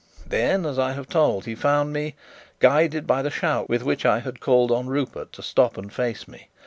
Then, as I have told, he found me, guided by the shout with which I had called on Rupert to stop and face me.